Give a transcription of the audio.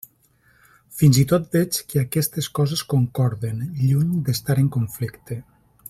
Fins i tot veig que aquestes coses concorden, lluny d'estar en conflicte.